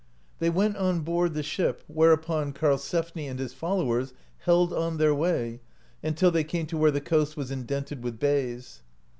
They went on board the ship, whereupon Karl sefni and his followers held on their way, until they came to where the coast was indented with bays.